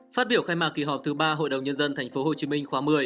phát biểu khai mạc kỳ họp thứ ba hội đồng nhân dân tp hcm khóa một mươi